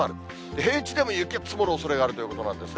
平地でも雪が積もるおそれがあるということなんですね。